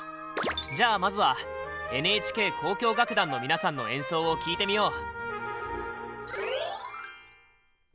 じゃあまずはＮＨＫ交響楽団の皆さんの演奏を聴いてみよう！